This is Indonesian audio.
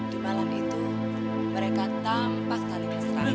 di malam itu mereka tampak saling berserang